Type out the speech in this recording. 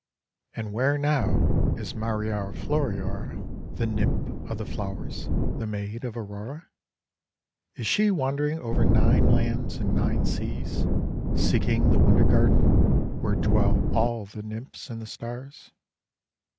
And where now is Mariora Floriora, the Nymph 434 THE WONDER GARDEN of the Flowers, the maid of Aurora? Is she wandering over nine lands and nine seas seeking the Wonder Garden where dwell all the Nymphs and the Stars?